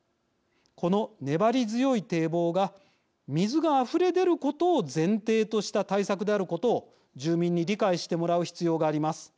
この粘り強い堤防が水があふれ出ることを前提とした対策であることを住民に理解してもらう必要があります。